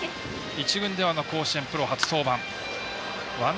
１軍では甲子園プロ初登板。